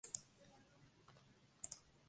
Los dedos tienen garras retráctiles.